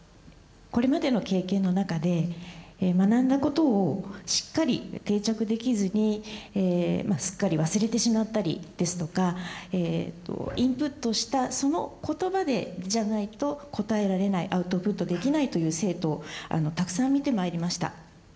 これまでの経験の中で学んだことをしっかり定着できずにすっかり忘れてしまったりですとかインプットしたその言葉でじゃないと答えられないアウトプットできないという生徒をたくさん見てまいりました。